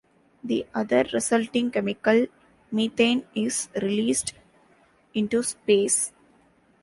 The other resulting chemical, methane, is released into space.